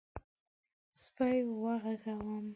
_سپی وغږوم؟